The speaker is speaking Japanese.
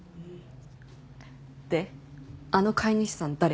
であの飼い主さん誰？